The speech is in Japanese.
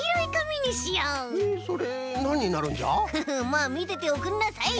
まあみてておくんなさい。